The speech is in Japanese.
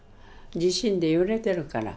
地震で揺れてるから。